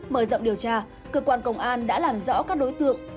mở rộng điều tra cơ quan công an đã làm rõ các đối tượng